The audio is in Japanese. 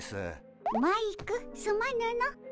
マイクすまぬの。